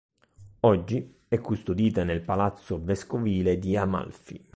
Oggi, è custodita nel Palazzo Vescovile di Amalfi.